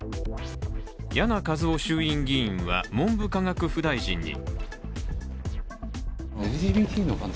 簗和生衆院議員は文部科学副大臣に。